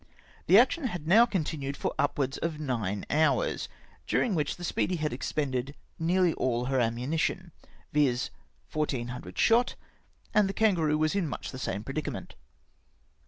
The action had now continued for upwards of nine hours ; during which the Speedy had expended nearly all her ammunition, viz. 1400 shot, and the Kan garoo was much in the same predicament.